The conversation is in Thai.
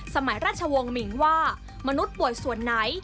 สมัยราชวงศ์หมิ่งว่ามนุษย์ป่วยส่วนไหน